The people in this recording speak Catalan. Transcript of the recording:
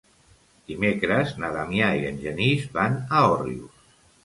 Dimecres na Damià i en Genís van a Òrrius.